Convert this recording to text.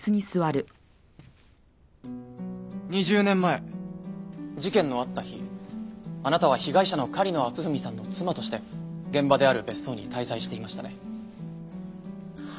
２０年前事件のあった日あなたは被害者の狩野篤文さんの妻として現場である別荘に滞在していましたね。